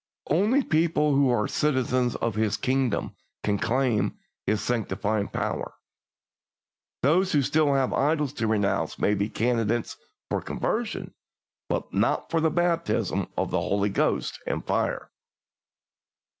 "Only people who are citizens of His kingdom can claim His sanctifying power. Those who still have idols to renounce may be candidates for conversion, but not for the baptism with the Holy Ghost and fire.